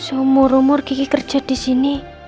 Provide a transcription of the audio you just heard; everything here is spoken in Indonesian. seumur umur kiki kerja disini